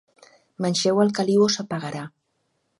Manxeu el caliu o s'apagarà.